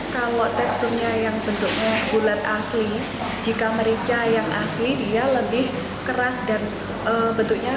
kalau teksturnya yang bentuknya bulat asli jika merica yang asli dia lebih keras dan bentuknya